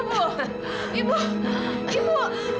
ibu ibu ibu kenapa bu